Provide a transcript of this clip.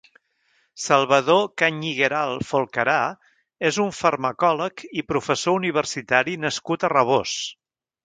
Salvador Cañigueral Folcarà és un farmacòleg i professor universitari nascut a Rabós.